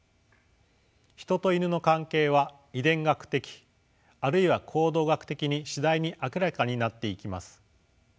ヒトとイヌの関係は遺伝学的あるいは行動学的に次第に明らかになっていきます。